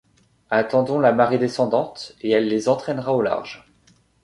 Attendons la marée descendante, et elle les entraînera au large.